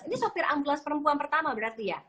ini sopir ambulans perempuan pertama berarti ya